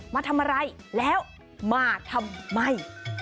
มาทำอะไรแล้วมาทำไม